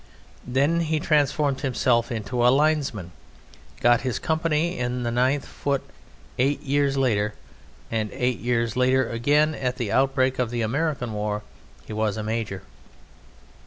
Then he transformed himself into a Linesman, got his company in the 9th Foot eight years later, and eight years later again, at the outbreak of the American War, he was a major.